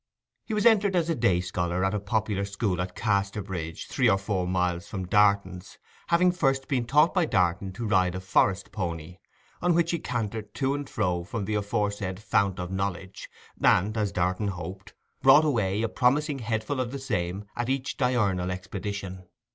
He was entered as a day scholar at a popular school at Casterbridge, three or four miles from Darton's, having first been taught by Darton to ride a forest pony, on which he cantered to and from the aforesaid fount of knowledge, and (as Darton hoped) brought away a promising headful of the same at each diurnal expedition.